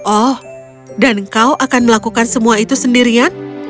oh dan kau akan melakukan semua itu sendirian